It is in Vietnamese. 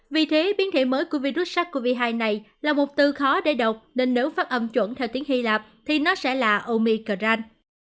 vì thế biến thể mới của virus sars cov hai này là một từ khó để độc nên nếu phát âm chuẩn theo tiếng hy lạp thì nó sẽ là omikarang